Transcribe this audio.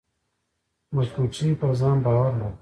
مچمچۍ پر ځان باور لري